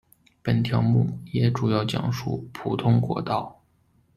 本条目也主要讲述普通国道。